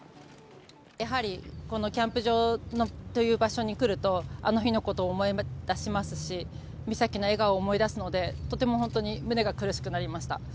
やはりこのキャンプ場という場所に来ると、あの日のことを思い出しますし、美咲の笑顔を思い出すので、とても本当に胸が苦しくなりました。